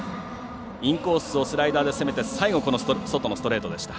インコースをスライダーで攻めて最後、外のストレートでした。